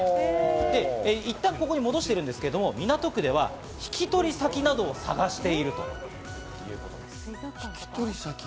いったんここに戻してるんですけど港区では引き取り先などを探しているということです。